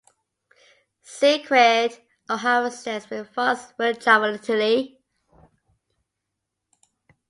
"Secret," O'Hara says with faux joviality.